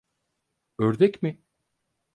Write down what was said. Ördek mi?